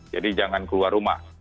jadi jangan keluar rumah